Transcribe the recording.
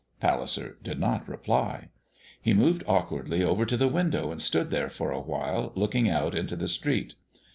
Palliser did not reply. He moved awkwardly over to the window and stood there for a while looking out into the street.